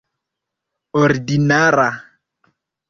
ordinara